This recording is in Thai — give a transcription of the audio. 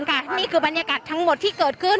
นี่คือบรรยากาศทั้งหมดที่เกิดขึ้น